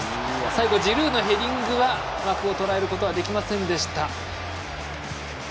最後、ジルーのヘディングは枠をとらえることはできませんでした。